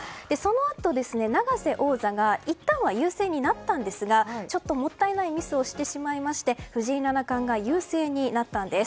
そのあと、永瀬王座がいったんは優勢になったんですがちょっと、もったいないミスをしてしまいまして藤井七冠が優勢になったんです。